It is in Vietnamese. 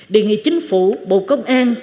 đề nghị chính phủ bộ công an